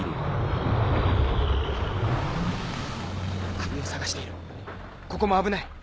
首を探しているここも危ない。